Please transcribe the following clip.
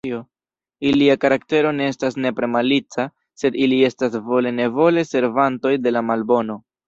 Ilia karaktero ne estas nepre malica, sed ili estas vole-nevole servantoj de la malbono.